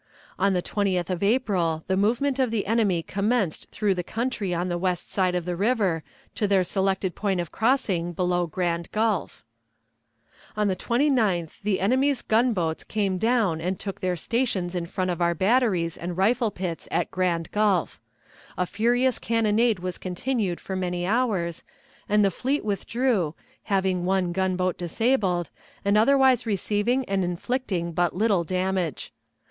On the 20th of April the movement of the enemy commenced through the country on the west side of the river to their selected point of crossing below Grand Gulf. On the 29th the enemy's gunboats came down and took their stations in front of our batteries and rifle pits at Grand Gulf. A furious cannonade was continued for many hours, and the fleet withdrew, having one gunboat disabled, and otherwise receiving and inflicting but little damage.